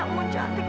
ya ampun cantik